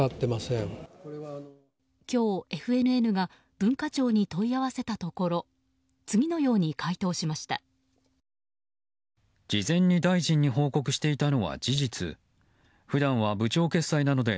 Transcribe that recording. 今日、ＦＮＮが文化庁に問い合わせたところ次のように回答しました。